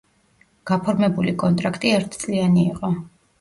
გაფორმებული კონტრაქტი ერთწლიანი იყო.